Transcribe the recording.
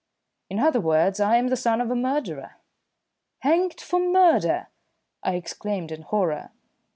In other words, I am the son of a murderer." "Hanged for murder!" I exclaimed in horror.